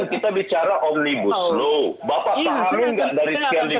bukan kita bicara omnibus law bapak paham nggak dari sekian lima blockbuster yang ada itu